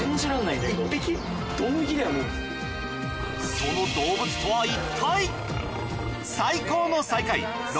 その動物とは一体！？